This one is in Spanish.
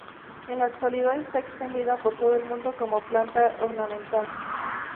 En la actualidad está extendida por todo el mundo como planta ornamental.